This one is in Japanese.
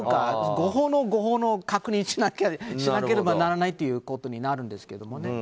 誤報の誤報の確認をしなければならないということになるんですけどね。